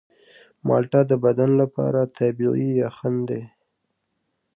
مالټه د بدن لپاره طبیعي یخن دی.